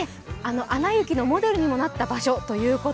「アナ雪」のモデルにもなった場所です。